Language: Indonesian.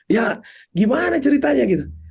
ya gimana ceritanya gitu